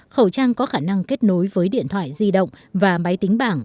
khẩu trang có khả năng kết nối với điện thoại di động và máy tính bảng